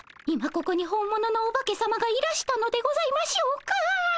今ここに本物のオバケさまがいらしたのでございましょうか？